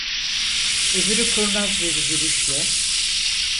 Öbürü kurnaz bir gülüşle: